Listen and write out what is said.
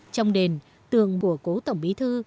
trong đền tường của cố tổng bí thư